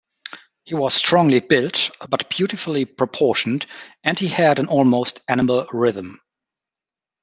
He was strongly built but beautifully proportioned and he had an almost animal rhythm.